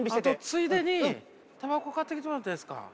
ついでにタバコ買ってきてもらっていいですか？